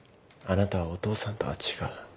あなたはお父さんとは違う。